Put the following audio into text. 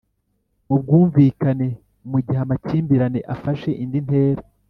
mu bwumvikane, Mu gihe amakimbirane afashe indi ntera.